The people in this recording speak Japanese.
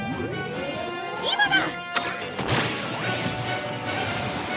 今だ！